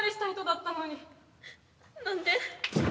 何で。